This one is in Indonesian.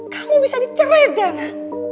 kamu bisa dicerai tiana